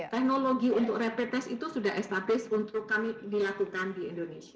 teknologi untuk rapid test itu sudah established untuk kami dilakukan di indonesia